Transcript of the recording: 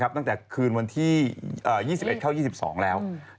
ตั้งแต่คืนวันที่๒๑เข้า๒๒แล้ว